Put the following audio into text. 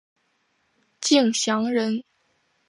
敬翔人。